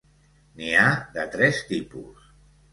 N'hi ha de tres tipus.